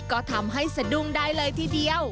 ก็ทำให้สะดุ้งได้เลยทีเดียว